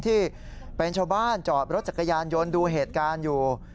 ที่เป็นชาวบ้านจอดรถจักรยานยนต์ดูเหตุการณ์อยู่